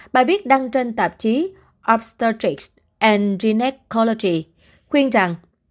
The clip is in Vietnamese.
bài viết đăng trên tạp chí obstetrics and gynecology khuyên rằng